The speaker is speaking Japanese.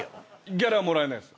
ギャラはもらえないです